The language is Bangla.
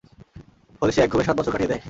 ফলে সে এক ঘুমে সাত বছর কাটিয়ে দেয়।